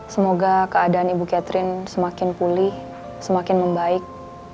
semoga keadaan ibu catherine semakin pulih semakin membaik